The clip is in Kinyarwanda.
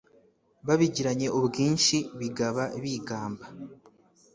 Babigiranye ubwinshi Bigaba bigamba